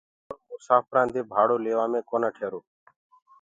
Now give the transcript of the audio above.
ڀاڙو ليوآݪو مساڦرانٚ دي ڀاڙو ليوآ مي ڪونآ ٺيرو